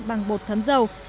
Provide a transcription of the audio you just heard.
bằng bột thấm dầu